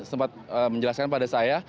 sempat menjelaskan pada saya